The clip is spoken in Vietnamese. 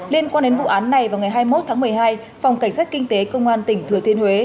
liên quan đến vụ án này vào ngày hai mươi một tháng một mươi hai phòng cảnh sát kinh tế công an tỉnh thừa thiên huế